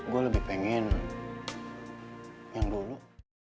gue lebih pengen yang dulu